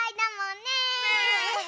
ねえ！